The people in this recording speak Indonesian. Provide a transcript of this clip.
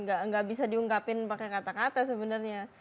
nggak bisa diungkapin pakai kata kata sebenarnya